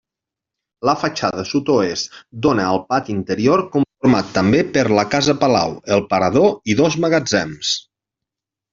La fatxada sud-oest dóna al pati interior conformat també per la casa palau, el parador i dos magatzems.